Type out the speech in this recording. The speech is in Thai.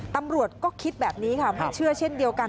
ตำรวจก็คิดแบบนี้ค่ะไม่เชื่อเช่นเดียวกัน